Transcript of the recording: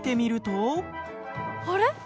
あれ？